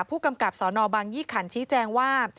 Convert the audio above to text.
ผู้กำกับสนบางยี่ขันชี้แจงว่า